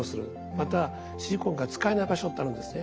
またシリコンが使えない場所ってあるんですね。